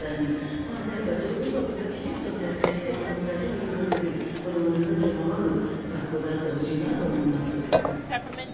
なので、そういうことをきちんと徹底して子どもたちを誘導できる子どもの命を守る学校であってほしいなと思います。